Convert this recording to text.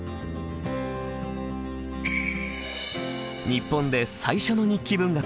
日本で最初の日記文学